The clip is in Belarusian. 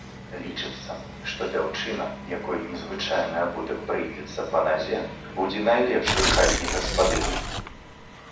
Лічыцца, што дзяўчына, якой незвычайны абутак прыйдзецца па назе, будзе найлепшай хатняй гаспадыняй.